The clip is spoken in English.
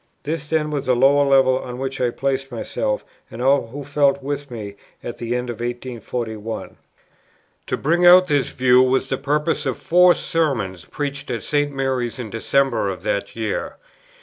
This then was that lower level on which I placed myself, and all who felt with me, at the end of 1841. Matt. xxiv. 15. To bring out this view was the purpose of Four Sermons preached at St. Mary's in December of that year.